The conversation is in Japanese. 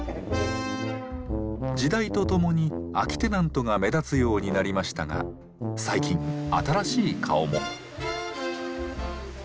時代とともに空きテナントが目立つようになりましたが最近新しい顔も。